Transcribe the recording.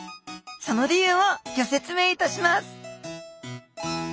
その理由をギョ説明いたします